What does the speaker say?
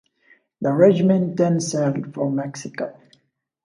The regiment then sailed for Mexico.